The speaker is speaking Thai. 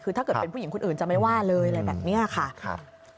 คือถ้าเกิดเป็นผู้หญิงคนอื่นจะไม่ว่าเลยอะไรแบบนี้ค่ะ